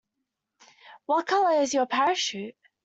What colour is your parachute?